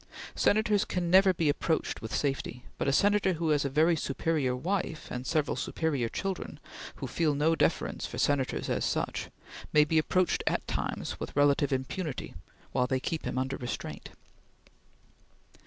Senators can never be approached with safety, but a Senator who has a very superior wife and several superior children who feel no deference for Senators as such, may be approached at times with relative impunity while they keep him under restraint.